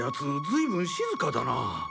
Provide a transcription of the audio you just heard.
ずいぶん静かだな。